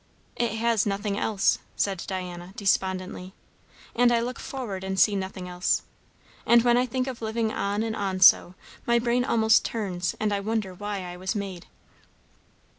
"It has nothing else," said Diana despondently. "And I look forward and see nothing else. And when I think of living on and on so my brain almost turns, and I wonder why I was made."